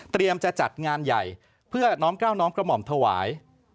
เตรียมจะจัดงานใหญ่เพื่อน้องเกล้าน้องกระหม่อมถวาย